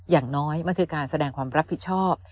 อย่างน้อยมันคือการแสดงความรับผิดชอบ